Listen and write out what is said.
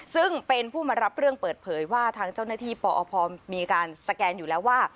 ซึ่งเป็นผู้มารับเรื่องเปิดเผยว่าทางเจ้าหน้าที่ปอพมีการสแกนอยู่แล้วว่า